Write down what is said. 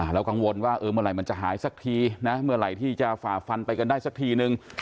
เรากังวลว่าเมื่อไหร่มันจะหายสักทีนะเมื่อไหร่ที่จะฝ่าฟันไปกันได้สักทีนึง